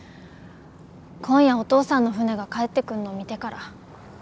今夜お父さんの船が帰ってくんの見てから。